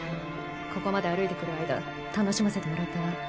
ここまで歩いてくる間楽しませてもらったわ。